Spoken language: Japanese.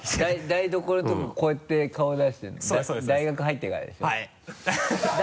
台所のとここうやって顔出してるの大学入ってからでしょ？